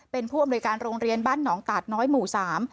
เป็นผู้อำนวยการโรงเรียนบ้านหนองตาดน้อยหมู่สาม